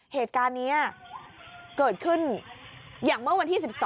เหตุการณ์นี้เกิดขึ้นอย่างเมื่อวันที่๑๒